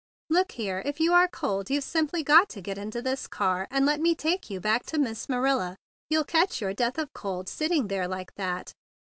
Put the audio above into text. "Look here; if you are cold, you've simply got to get into this car and let me take you back to Miss Manila. You'll catch your death of cold sitting there like that."